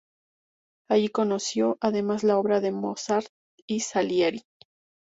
Allí conoció, además, la obra de Mozart y Salieri.